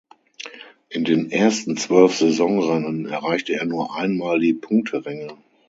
In den ersten zwölf Saisonrennen erreichte er nur ein Mal die Punkteränge.